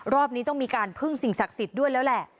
รอบนี้ต้องมีการพึ่งสิ่งศักดิ์สิทธิ์ด้วยแล้วแหละ